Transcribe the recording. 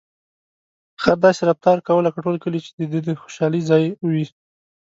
خر داسې رفتار کاوه لکه ټول کلي چې د ده د خوشحالۍ ځای وي.